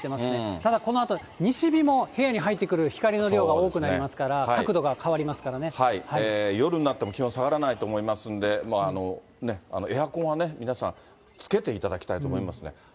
ただ、このあと西日も部屋に入ってくる光の量が多くなりますから、角度夜になっても気温下がらないと思いますので、エアコンはね、皆さん、つけていただきたいと思いますね。